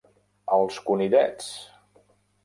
Els conillets!